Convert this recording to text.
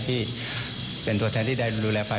ที่เป็นตัวแทนที่ได้ดูแลฝ่าย